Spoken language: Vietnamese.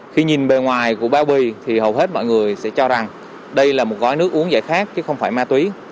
khi nhìn bề ngoài của bao bì thì hầu hết mọi người sẽ cho rằng đây là một gói nước uống giải khát chứ không phải ma túy